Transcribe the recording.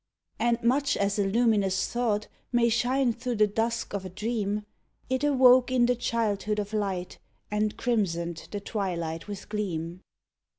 And much as a luminous thought May shine through the dusk of a dream, It awoke in the childhood of light And crimsoned the twilight with gleam.